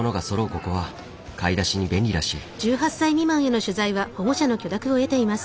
ここは買い出しに便利らしい。